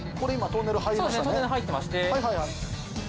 トンネル入ってまして。